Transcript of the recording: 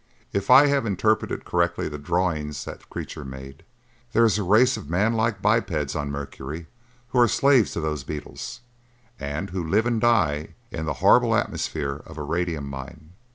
"If I have interpreted correctly the drawings that creature made, there is a race of manlike bipeds on Mercury who are slaves to those beetles and who live and die in the horrible atmosphere of a radium mine.